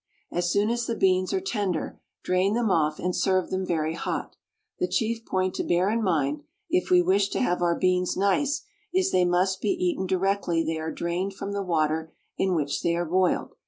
As soon as the beans are tender, drain them off, and serve them very hot; the chief point to bear in mind, if we wish to have our beans nice, is, they must be eaten directly they are drained from the water in which they are boiled.